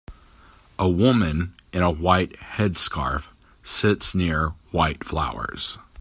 A woman in a white headscarf sits near white flowers.